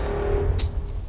enggak semoga itujem